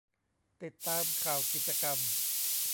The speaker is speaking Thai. ติดตามข่าวกิจกรรม